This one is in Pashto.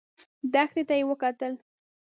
دښتې ته يې وکتل.